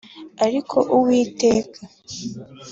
ariko Uwiteka